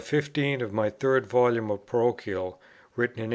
15 of my Third Volume of Parochial, written in 1835.